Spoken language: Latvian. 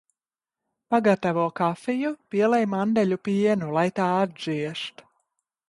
Pagatavo kafiju, pielej mandeļu pienu, lai tā atdziest.